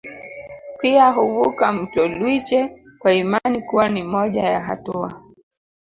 Pia huvuka mto Lwiche kwa imani kuwa ni moja ya hatua